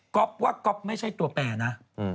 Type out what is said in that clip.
ว่าก๊อฟไม่ใช่ตัวแปรนะ